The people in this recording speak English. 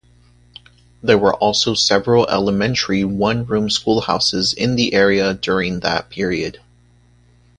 There were also several elementary one-room schoolhouses in the area during that period.